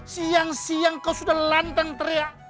siang siang kau sudah lantang teriak